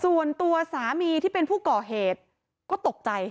ส่วนตัวสามีที่เป็นผู้ก่อเหตุก็ตกใจ